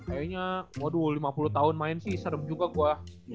kayaknya waduh lima puluh tahun main sih serem juga gue